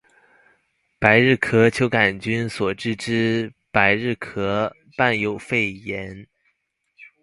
百日咳球桿菌所致之百日咳伴有肺炎